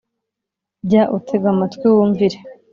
Jya utega amatwi wumvire